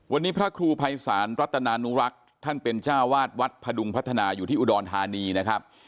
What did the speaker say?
วันนี้พระครูภัยศาลรัตนานุรักษ์ท่านเป็นเจ้าวาดวัดพดุงพัฒนาอยู่ที่อุดรธานีนะครับ